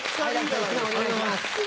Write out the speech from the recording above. ありがとうございます。